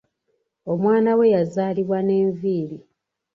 Omwana we yazaalibwa n’enviri.